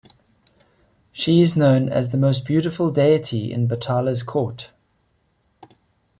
She is known as the most beautiful deity in Bathala's court.